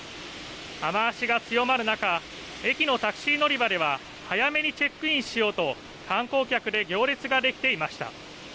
雨足が強まる中、駅のタクシー乗り場では早めにチェックインしようと観光客で行列ができていました。